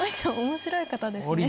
面白い方ですね。